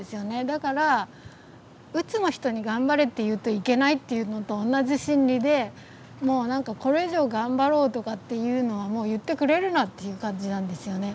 だからうつの人に頑張れって言うといけないっていうのと同じ心理でもうなんかこれ以上頑張ろうとかっていうのはもう言ってくれるなっていう感じなんですよね。